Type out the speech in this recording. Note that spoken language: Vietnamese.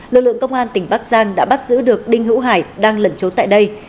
lực lượng công an tỉnh bắc giang đã bắt giữ được đinh hữu hải đang lẩn trốn tại đây